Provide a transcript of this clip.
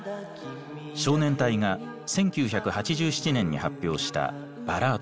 少年隊が１９８７年に発表したバラードの名曲。